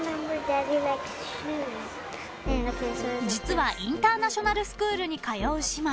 ［実はインターナショナルスクールに通う姉妹］